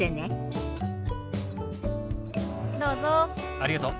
ありがとう。